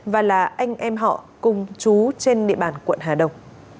và là anh em họ cùng chú trên địa bàn quận hà đông